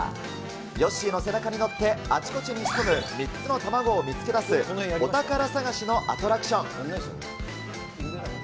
ヨッシーの背中に乗ってあちこちに潜む３つの卵を見つけ出すお宝探しのアトラクション。